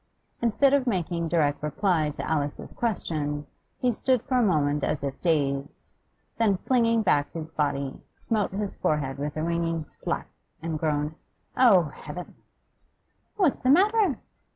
Instead of making direct reply to Alice's question, he stood for a moment as if dazed; then flinging back his body, smote his forehead with a ringing slap, and groaned 'O Heaven!' 'What's the matter?